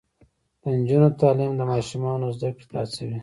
د نجونو تعلیم د ماشومانو زدکړې ته هڅوي.